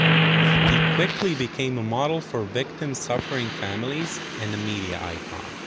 He quickly became a model for victims' suffering families, and a media icon.